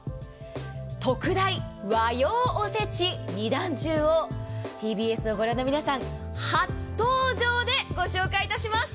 特大和洋おせち２段重をＴＢＳを御覧の皆さん、初登場でご紹介いたします。